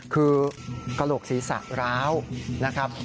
คือกระโหลกศีรษะร้าวนะครับ